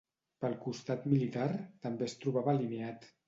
Pel costat militar, també es trobava alineat.